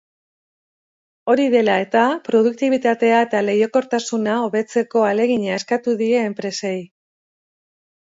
Hori dela eta, produktibitatea eta lehiakortasuna hobetzeko ahalegina eskatu die enpresei.